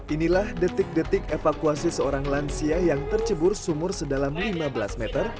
inilah detik detik evakuasi seorang lansia yang tercebur sumur sedalam lima belas meter